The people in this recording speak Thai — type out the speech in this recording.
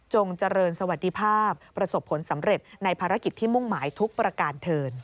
เจริญสวัสดิภาพประสบผลสำเร็จในภารกิจที่มุ่งหมายทุกประการเทิน